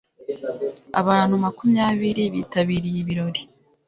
abantu makumyabiri bitabiriye ibirori